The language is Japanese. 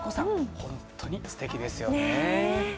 本当にすてきですよね。